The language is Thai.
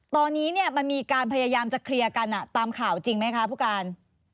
ตอนนี้มันมีการพยายามจะเคลียร์กันตามข่าวจริงไหมคะผู้การ